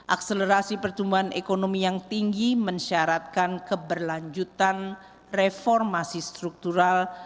akselerasi pertumbuhan ekonomi yang tinggi mensyaratkan keberlanjutan reformasi struktural